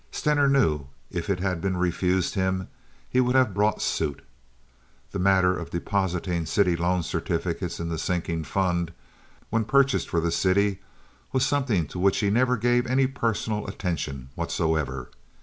Stener knew if it had been refused him he would have brought suit. The matter of depositing city loan certificates in the sinking fund, when purchased for the city, was something to which he never gave any personal attention whatsoever.